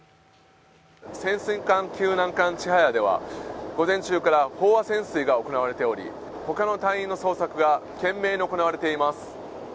潜水艦救難艦「ちはや」では午前中から飽和潜水が行われており、ほかの隊員の捜索が懸命に行われています。